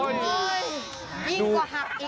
ยิ่งกว่าหักอีก